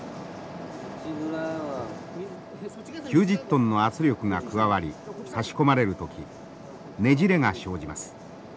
９０トンの圧力が加わり差し込まれる時ねじれが生じます。